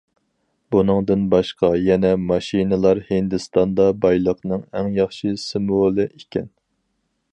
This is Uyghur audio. بۇنىڭدىن باشقا يەنە ماشىنىلار ھىندىستاندا بايلىقنىڭ ئەڭ ياخشى سىمۋولى ئىكەن.